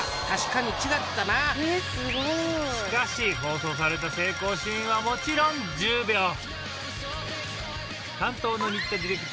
確かに違ったなしかし放送された成功シーンはもちろん１０秒